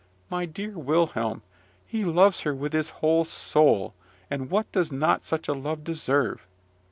But, dear Wilhelm, he loves her with his whole soul; and what does not such a love deserve?